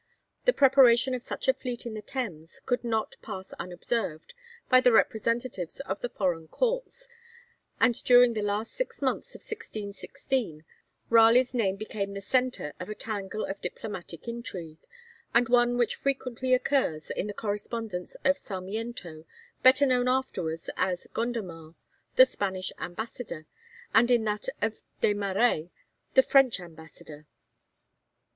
The preparation of such a fleet in the Thames could not pass unobserved by the representatives of the foreign courts, and during the last six months of 1616 Raleigh's name became the centre of a tangle of diplomatic intrigue, and one which frequently occurs in the correspondence of Sarmiento, better known afterwards as Gondomar, the Spanish ambassador, and in that of Des Marêts, the French ambassador.